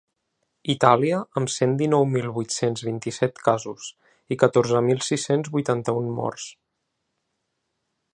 Itàlia, amb cent dinou mil vuit-cents vint-i-set casos i catorze mil sis-cents vuitanta-un morts.